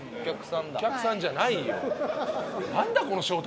お客さんじゃないよ。